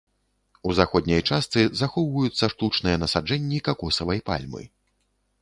У заходняй частцы захоўваюцца штучныя насаджэнні какосавай пальмы.